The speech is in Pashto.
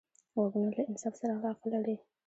غوږونه له انصاف سره علاقه لري